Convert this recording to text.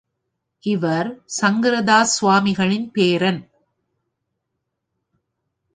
இவர் சங்கரதாஸ் சுவாமிகளின் பேரன்.